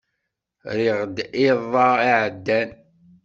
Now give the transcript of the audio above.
Rriɣ-d iḍ-a iɛeddan.